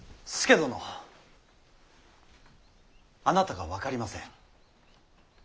あなたが分かりません。